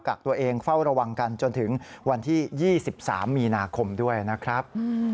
กักตัวเองเฝ้าระวังกันจนถึงวันที่๒๓มีนาคมด้วยนะครับ